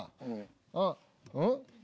あっうん？